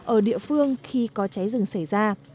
ở địa phương khi có cháy rừng xảy ra